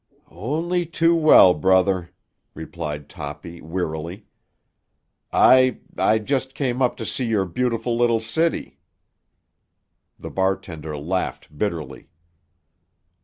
"Only too well, brother," replied Toppy wearily. "I—I just came to see your beautiful little city." The bartender laughed bitterly.